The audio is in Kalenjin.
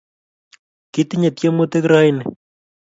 Kitinye tyemutik raini